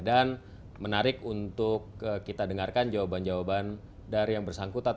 dan menarik untuk kita dengarkan jawaban jawaban dari yang bersangkutan